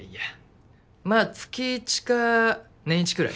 まあ月１か年１くらい？